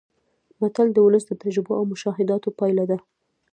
متل د ولس د تجربو او مشاهداتو پایله ده